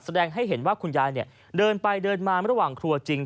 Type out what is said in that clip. แสดงให้เห็นว่าคุณยายเดินไปเดินมาระหว่างครัวจริง